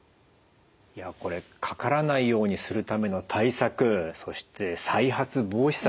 いやこれかからないようにするための対策そして再発防止策